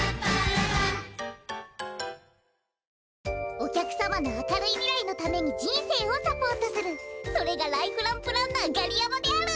おきゃくさまのあかるいみらいのためにじんせいをサポートするそれがライフランプランナーガリヤマである。